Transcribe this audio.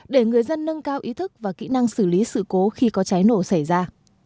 để người dân nâng cao ý thức và kỹ năng xử lý sự cố khi có cháy nổ xảy ra